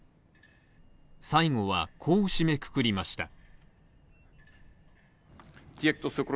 最後はこう締めくくりました。